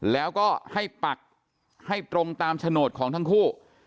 แล้วก็ให้ปักให้ตรงตามโฉนดของทั้งคู่